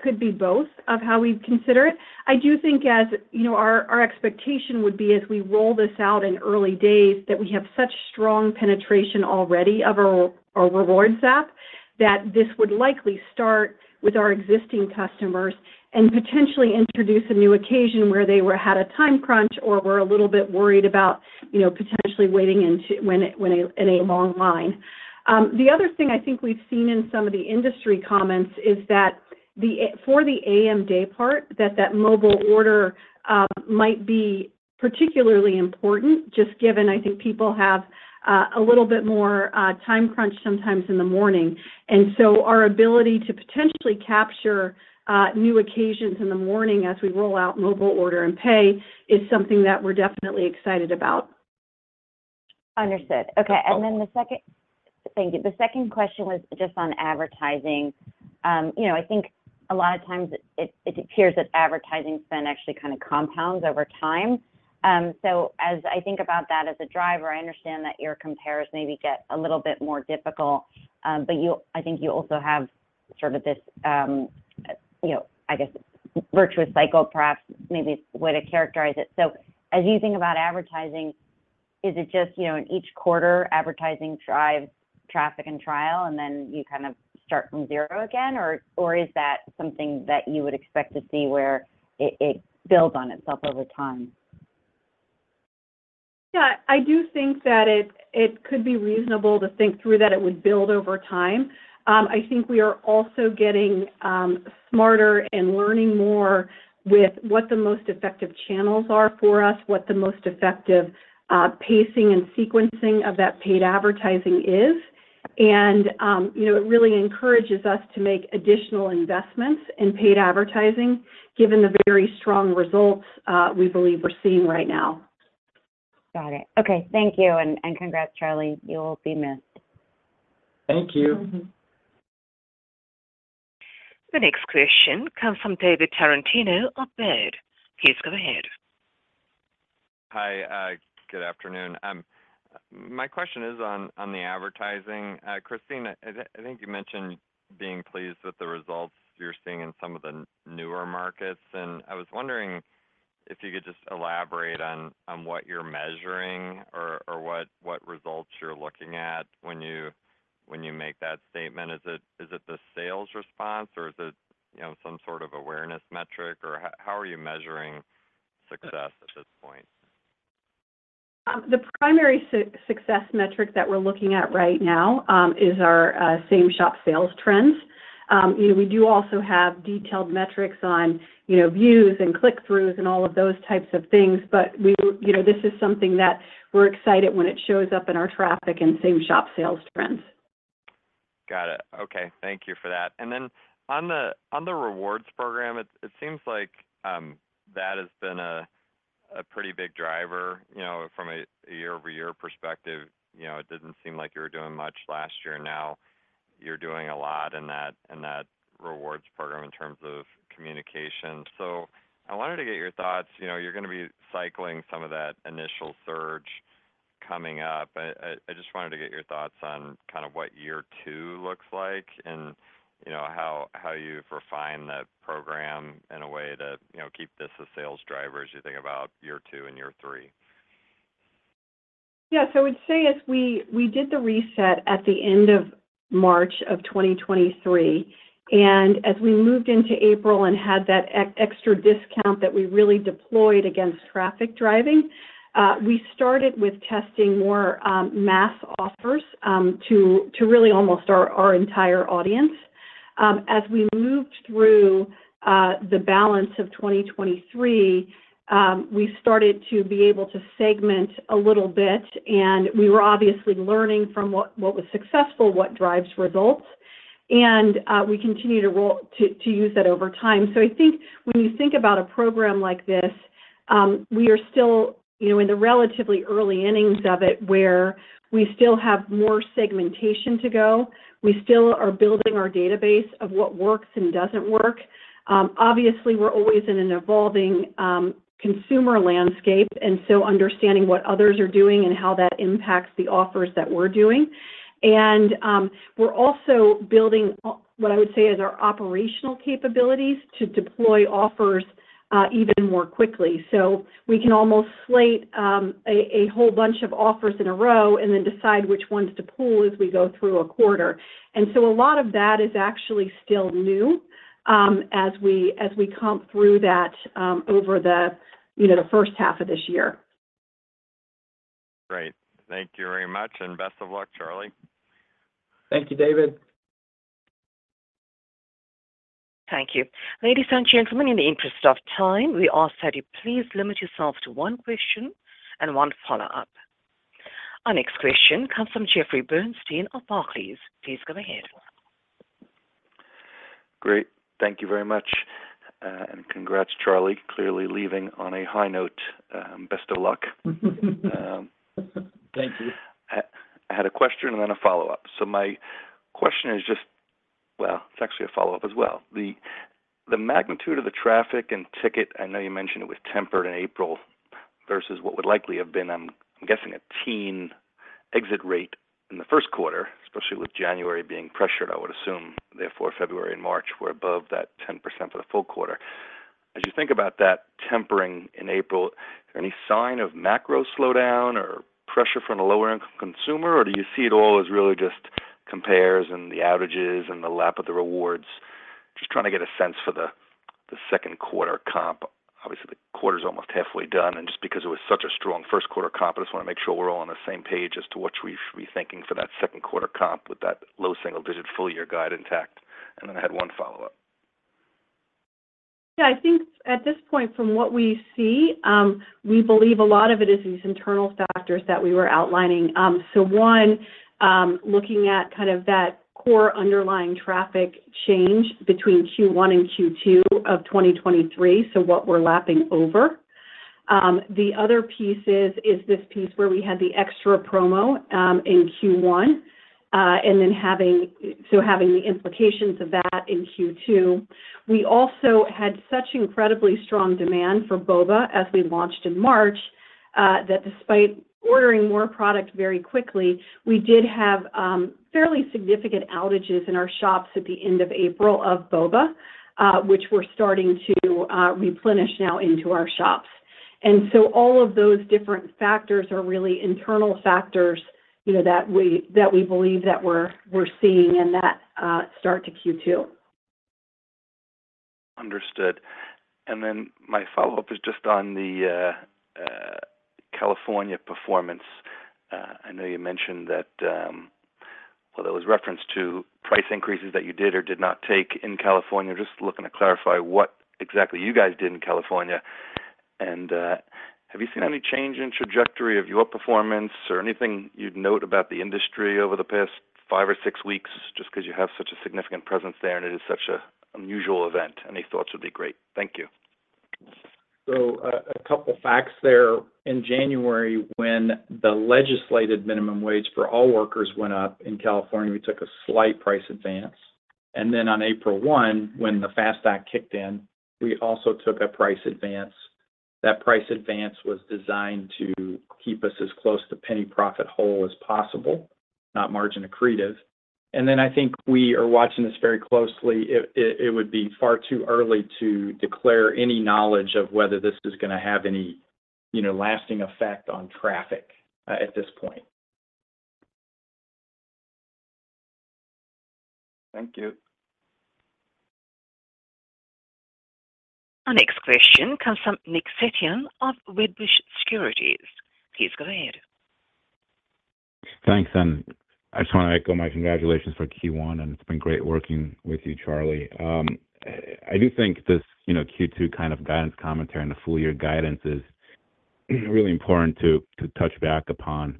Speaker 3: could be both of how we'd consider it. I do think our expectation would be as we roll this out in early days that we have such strong penetration already of our rewards app that this would likely start with our existing customers and potentially introduce a new occasion where they had a time crunch or were a little bit worried about potentially waiting in a long line. The other thing I think we've seen in some of the industry comments is that for the AM daypart, that that mobile order might be particularly important just given, I think, people have a little bit more time crunch sometimes in the morning. And so our ability to potentially capture new occasions in the morning as we roll out mobile order and pay is something that we're definitely excited about.
Speaker 11: Understood. Okay. And then the second thank you. The second question was just on advertising. I think a lot of times, it appears that advertising spend actually kind of compounds over time. So as I think about that as a driver, I understand that your compares maybe get a little bit more difficult. But I think you also have sort of this, I guess, virtuous cycle, perhaps, maybe is the way to characterize it. So as you think about advertising, is it just in each quarter, advertising drives traffic and trial, and then you kind of start from zero again? Or is that something that you would expect to see where it builds on itself over time? Yeah.
Speaker 3: I do think that it could be reasonable to think through that it would build over time. I think we are also getting smarter and learning more with what the most effective channels are for us, what the most effective pacing and sequencing of that paid advertising is. And it really encourages us to make additional investments in paid advertising given the very strong results we believe we're seeing right now.
Speaker 11: Got it. Okay. Thank you. And congrats, Charley. You will be missed.
Speaker 1: Thank you. The next question comes from David Tarantino of Baird. Please go ahead.
Speaker 12: Hi. Good afternoon. My question is on the advertising. Christine, I think you mentioned being pleased with the results you're seeing in some of the newer markets. And I was wondering if you could just elaborate on what you're measuring or what results you're looking at when you make that statement. Is it the sales response, or is it some sort of awareness metric? Or how are you measuring success at this point?
Speaker 3: The primary success metric that we're looking at right now is our same-shop sales trends. We do also have detailed metrics on views and click-throughs and all of those types of things. But this is something that we're excited when it shows up in our traffic in same-shop sales trends.
Speaker 12: Got it. Okay. Thank you for that. And then on the rewards program, it seems like that has been a pretty big driver. From a year-over-year perspective, it didn't seem like you were doing much last year. Now, you're doing a lot in that rewards program in terms of communication. So I wanted to get your thoughts. You're going to be cycling some of that initial surge coming up. I just wanted to get your thoughts on kind of what year two looks like and how you've refined the program in a way to keep this a sales driver as you think about year two and year three.
Speaker 3: Yeah. So I would say we did the reset at the end of March of 2023. And as we moved into April and had that extra discount that we really deployed against traffic driving, we started with testing more mass offers to really almost our entire audience. As we moved through the balance of 2023, we started to be able to segment a little bit. And we were obviously learning from what was successful, what drives results. And we continue to use that over time. So I think when you think about a program like this, we are still in the relatively early innings of it where we still have more segmentation to go. We still are building our database of what works and doesn't work. Obviously, we're always in an evolving consumer landscape. And so understanding what others are doing and how that impacts the offers that we're doing. And we're also building what I would say is our operational capabilities to deploy offers even more quickly. So we can almost slate a whole bunch of offers in a row and then decide which ones to pull as we go through a quarter. And so a lot of that is actually still new as we comp through that over the first half of this year.
Speaker 12: Great. Thank you very much. And best of luck, Charley.
Speaker 4: Thank you, David. Thank you.
Speaker 1: Ladies and gentlemen, in the interest of time, we ask that you please limit yourself to one question and one follow-up. Our next question comes from Jeffrey Bernstein of Barclays. Please go ahead.
Speaker 13: Great. Thank you very much. And congrats, Charley, clearly leaving on a high note. Best of luck. Thank you. I had a question and then a follow-up. So my question is just well, it's actually a follow-up as well. The magnitude of the traffic and ticket I know you mentioned it was tempered in April versus what would likely have been, I'm guessing, a teen exit rate in the first quarter, especially with January being pressured, I would assume. Therefore, February and March were above that 10% for the full quarter. As you think about that tempering in April, is there any sign of macro slowdown or pressure from the lower-income consumer? Or do you see it all as really just comps and the outages and the lapping of the rewards? Just trying to get a sense for the second quarter comp. Obviously, the quarter's almost halfway done. And just because it was such a strong first-quarter comp, I just want to make sure we're all on the same page as to what should we be thinking for that second-quarter comp with that low-single-digit full-year guide intact. And then I had one follow-up.
Speaker 3: Yeah. I think at this point, from what we see, we believe a lot of it is these internal factors that we were outlining. So one, looking at kind of that core underlying traffic change between Q1 and Q2 of 2023, so what we're lapping over. The other piece is this piece where we had the extra promo in Q1 and then so having the implications of that in Q2. We also had such incredibly strong demand for boba as we launched in March that despite ordering more product very quickly, we did have fairly significant outages in our shops at the end of April of boba, which we're starting to replenish now into our shops. And so all of those different factors are really internal factors that we believe that we're seeing and that start to Q2.
Speaker 13: Understood. And then my follow-up is just on the California performance. I know you mentioned that, well, there was reference to price increases that you did or did not take in California. Just looking to clarify what exactly you guys did in California. And have you seen any change in trajectory of your performance or anything you'd note about the industry over the past five or six weeks just because you have such a significant presence there and it is such an unusual event? Any thoughts would be great. Thank you.
Speaker 3: So a couple of facts there. In January, when the legislated minimum wage for all workers went up in California, we took a slight price advance. And then on April 1, when the FAST Act kicked in, we also took a price advance. That price advance was designed to keep us as close to penny-profit whole as possible, not margin accretive. And then I think we are watching this very closely. It would be far too early to declare any knowledge of whether this is going to have any lasting effect on traffic at this point.
Speaker 13: Thank you.
Speaker 1: Our next question comes from Nick Setyan of Wedbush Securities. Please go ahead.
Speaker 14: Thanks, Anne. I just want to echo my congratulations for Q1. And it's been great working with you, Charley. I do think this Q2 kind of guidance commentary and the full-year guidance is really important to touch back upon.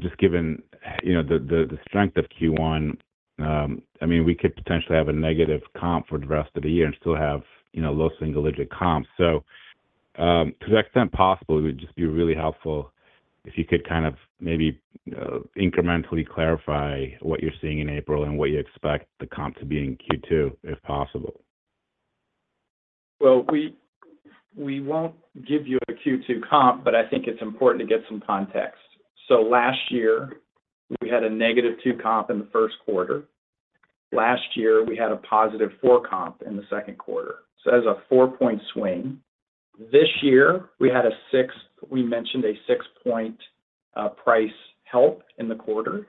Speaker 14: Just given the strength of Q1, I mean, we could potentially have a negative comp for the rest of the year and still have low-single-digit comps. So to the extent possible, it would just be really helpful if you could kind of maybe incrementally clarify what you're seeing in April and what you expect the comp to be in Q2 if possible.
Speaker 4: Well, we won't give you a Q2 comp, but I think it's important to get some context. So last year, we had a negative 2 comp in the first quarter. Last year, we had a positive 4 comp in the second quarter. So that's a 4-point swing. This year, we had a 6, we mentioned, a 6-point price help in the quarter.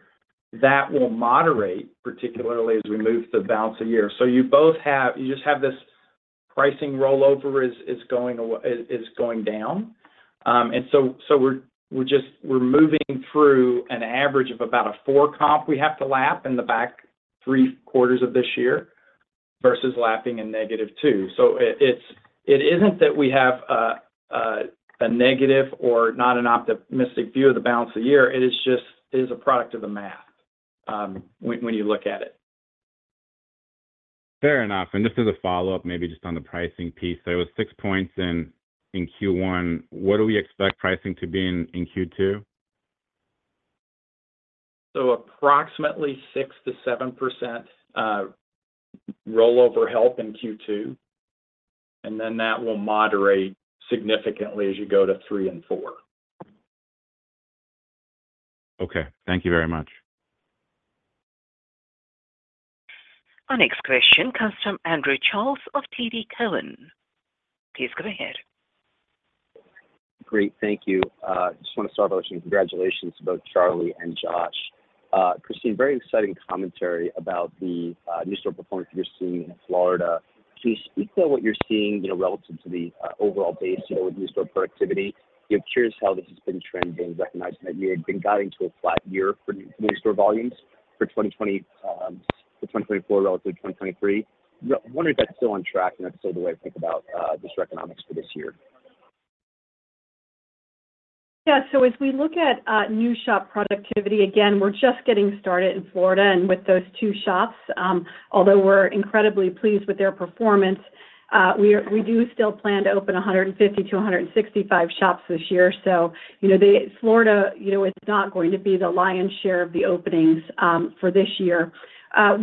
Speaker 4: That will moderate, particularly as we move to the balance of year. So you just have this pricing rollover is going down. And so we're moving through an average of about a 4 comp we have to lap in the back three quarters of this year versus lapping a negative 2. So it isn't that we have a negative or not an optimistic view of the balance of year. It is a product of the math when you look at it.
Speaker 14: Fair enough. And just as a follow-up, maybe just on the pricing piece. So it was 6 points in Q1. What do we expect pricing to be in Q2?
Speaker 3: So approximately 6%-7% rollover help in Q2. Then that will moderate significantly as you go to 3 and 4.
Speaker 1: Okay. Thank you very much. Our next question comes from Andrew Charles of TD Cowen. Please go ahead.
Speaker 15: Great. Thank you. I just want to start by wishing congratulations to both Charley and Josh. Christine, very exciting commentary about the new store performance that you're seeing in Florida. Can you speak to what you're seeing relative to the overall base with new store productivity? I'm curious how this has been trending, recognizing that you had been guiding to a flat year for new store volumes for 2024 relative to 2023. I wonder if that's still on track and that's still the way to think about this economics for this year. Yeah.
Speaker 3: So as we look at new shop productivity, again, we're just getting started in Florida and with those two shops. Although we're incredibly pleased with their performance, we do still plan to open 150-165 shops this year. Florida, it's not going to be the lion's share of the openings for this year.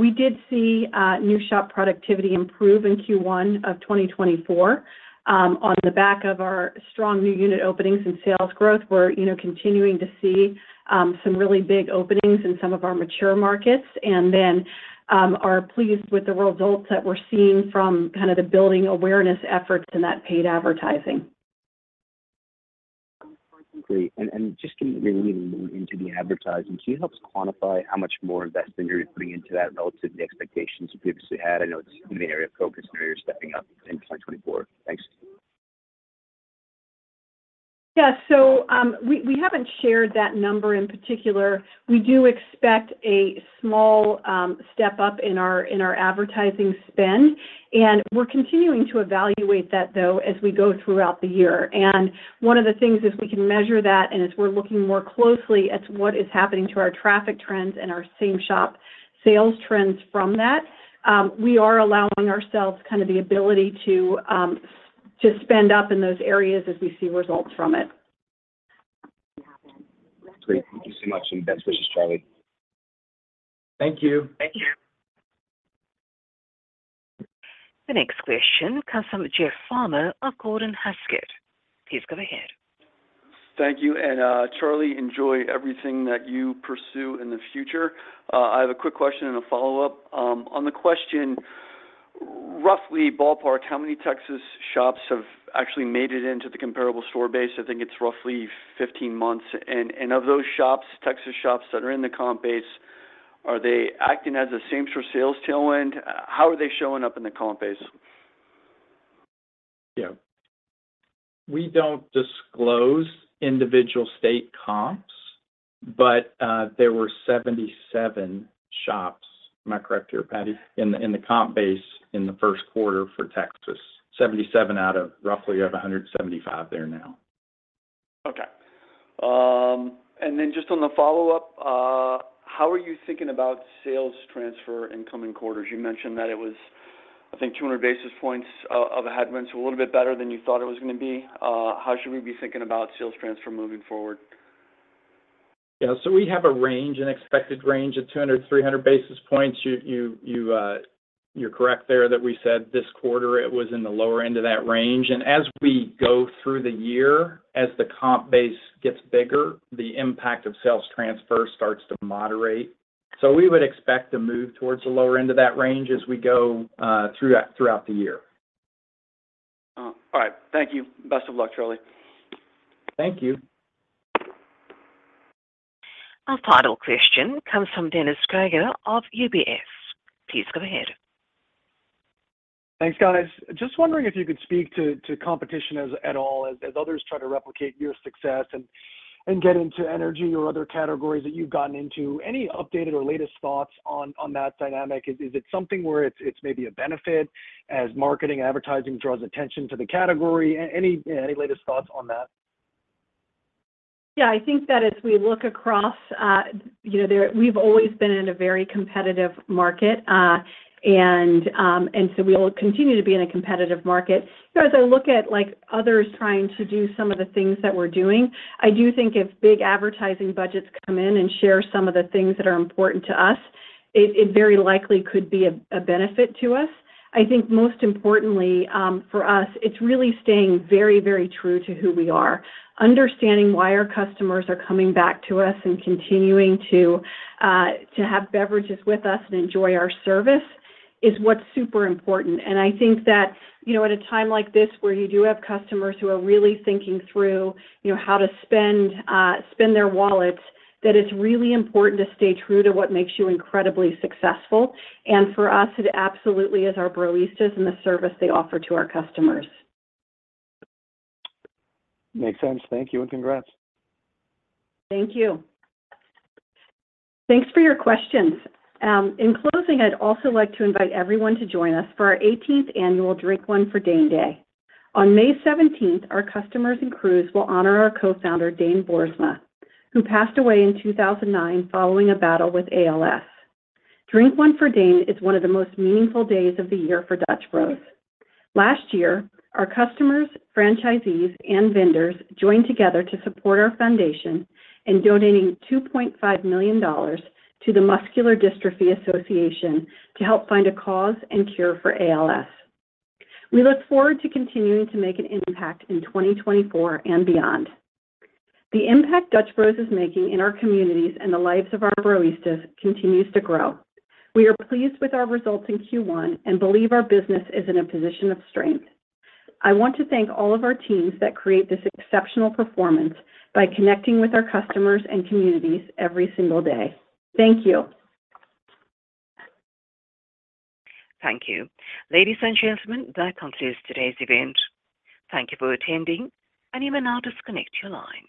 Speaker 3: We did see new shop productivity improve in Q1 of 2024. On the back of our strong new unit openings and sales growth, we're continuing to see some really big openings in some of our mature markets. And then are pleased with the results that we're seeing from kind of the building awareness efforts in that paid advertising.
Speaker 15: Great. And just getting really into the advertising, can you help us quantify how much more investment you're putting into that relative to the expectations you previously had? I know it's an area of focus now you're stepping up in 2024. Thanks.
Speaker 3: Yeah. So we haven't shared that number in particular. We do expect a small step up in our advertising spend. And we're continuing to evaluate that, though, as we go throughout the year. And one of the things is we can measure that. And as we're looking more closely at what is happening to our traffic trends and our same-shop sales trends from that, we are allowing ourselves kind of the ability to spend up in those areas as we see results from it.
Speaker 15: Great. Thank you so much. And best wishes, Charley. Thank you.
Speaker 1: Thank you. The next question comes from Jeff Farmer of Gordon Haskett. Please go ahead.
Speaker 16: Thank you. And Charley, enjoy everything that you pursue in the future. I have a quick question and a follow-up. On the question, roughly, ballpark, how many Texas shops have actually made it into the comparable store base? I think it's roughly 15 months. And of those shops, Texas shops that are in the comp base, are they acting as the same store sales tailwind? How are they showing up in the comp base?
Speaker 3: Yeah. We don't disclose individual state comps. But there were 77 shops - am I correct here, Paddy? - in the comp base in the first quarter for Texas, 77 out of roughly we have 175 there now.
Speaker 16: Okay. And then just on the follow-up, how are you thinking about sales transfer in coming quarters? You mentioned that it was, I think, 200 basis points of a headwind, so a little bit better than you thought it was going to be. How should we be thinking about sales transfer moving forward? Yeah.
Speaker 3: So we have a range, an expected range of 200-300 basis points. You're correct there that we said this quarter, it was in the lower end of that range. And as we go through the year, as the comp base gets bigger, the impact of sales transfer starts to moderate. So we would expect to move towards the lower end of that range as we go throughout the year.
Speaker 16: All right. Thank you. Best of luck, Charley.
Speaker 1: Thank you. A final question comes from Dennis Geiger of UBS. Please go ahead.
Speaker 17: Thanks, guys. Just wondering if you could speak to competition at all as others try to replicate your success and get into energy or other categories that you've gotten into. Any updated or latest thoughts on that dynamic? Is it something where it's maybe a benefit as marketing advertising draws attention to the category?
Speaker 3: Any latest thoughts on that? Yeah. I think that as we look across we've always been in a very competitive market. And so we'll continue to be in a competitive market. As I look at others trying to do some of the things that we're doing, I do think if big advertising budgets come in and share some of the things that are important to us, it very likely could be a benefit to us. I think most importantly for us, it's really staying very, very true to who we are. Understanding why our customers are coming back to us and continuing to have beverages with us and enjoy our service is what's super important. I think that at a time like this where you do have customers who are really thinking through how to spend their wallets, that it's really important to stay true to what makes you incredibly successful. For us, it absolutely is our Broistas and the service they offer to our customers.
Speaker 17: Makes sense. Thank you and congrats.
Speaker 3: Thank you. Thanks for your questions. In closing, I'd also like to invite everyone to join us for our 18th annual Drink One for Dane Day. On May 17th, our customers and crews will honor our co-founder, Dane Boersma, who passed away in 2009 following a battle with ALS. Drink One for Dane is one of the most meaningful days of the year for Dutch Bros. Last year, our customers, franchisees, and vendors joined together to support our foundation in donating $2.5 million to the Muscular Dystrophy Association to help find a cause and cure for ALS. We look forward to continuing to make an impact in 2024 and beyond. The impact Dutch Bros is making in our communities and the lives of our Broistas continues to grow. We are pleased with our results in Q1 and believe our business is in a position of strength. I want to thank all of our teams that create this exceptional performance by connecting with our customers and communities every single day. Thank you.
Speaker 1: Thank you. Ladies and gentlemen, that concludes today's event. Thank you for attending. You may now disconnect your line.